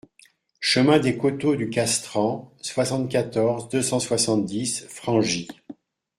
Chemin des Côteaux du Castran, soixante-quatorze, deux cent soixante-dix Frangy